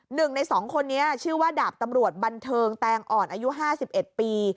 หนึ่งในสองคนนี้ชื่อว่าดาบตำรวจบันเทิงแตงอ่อนอายุ๕๑ปี